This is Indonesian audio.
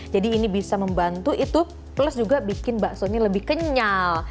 jadi ini bisa membantu itu plus juga bikin baksonya lebih kenyal